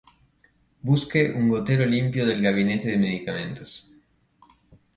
Busque un gotero limpio del gabinete de medicamentos.